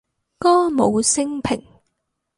歌舞昇平